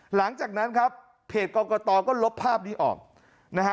หลังจากนั้นครับเพจกรกตก็ลบภาพนี้ออกนะฮะ